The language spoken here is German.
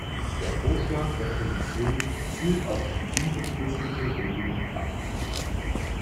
Der Vorschlag der Kommission zielt auf eine unbefristete Regelung ab.